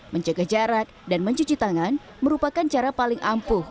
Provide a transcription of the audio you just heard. menjaga jarak dan mencuci tangan merupakan cara paling ampuh